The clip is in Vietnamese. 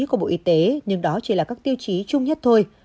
của bộ y tế nhưng đó chỉ là các tiêu chí chung nhất thôi